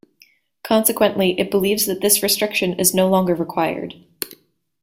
Consequently, it believes that this restriction is no longer required.